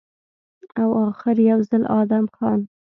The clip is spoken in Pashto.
او اخر يو ځل ادم خان